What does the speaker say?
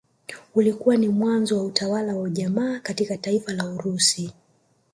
Ulikuwa ni mwanzo wa utawala wa ujamaa katika taifa la Urusi